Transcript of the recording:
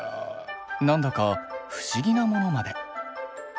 なんだか不思議なものまで。